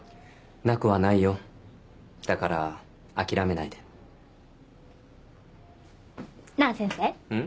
なくはないよだから諦めないでなあ先生ん？